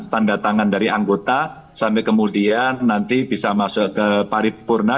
tanda tangan dari anggota sampai kemudian nanti bisa masuk ke paripurna